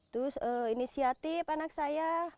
terus inisiatif anak saya